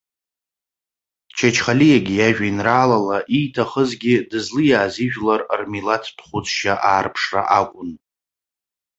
Чачхалиагьы иажәеинраалала ииҭахызгьы дызлиааз ижәлар рмилаҭтә хәыцшьа аарԥшра акәын.